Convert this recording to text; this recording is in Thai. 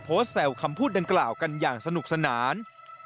แซวคำพูดดังกล่าวกันอย่างสนุกสนาน